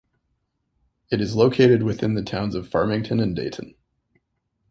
It is located within the towns of Farmington and Dayton.